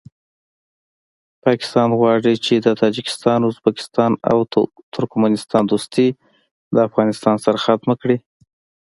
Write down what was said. پاکستان غواړي چې د تاجکستان ازبکستان او ترکمستان دوستي د افغانستان سره ختمه کړي